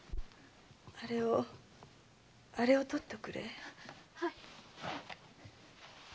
あれをあれを取っておくれ。